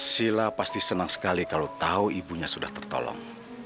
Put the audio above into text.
sila pasti senang sekali kalau tahu ibunya sudah tertolong